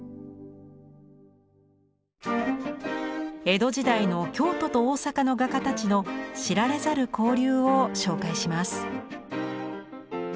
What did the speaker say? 江戸時代の京都と大坂の画家たちの知られざる交流を紹介します。